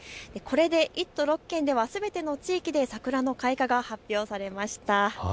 これで１都６県ではすべての地域で桜の開花が発表されました。